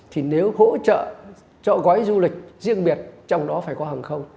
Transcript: thì nếu hỗ trợ cho gói du lịch riêng biệt trong đó phải có hàng không